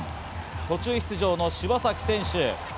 途中出場の柴崎選手。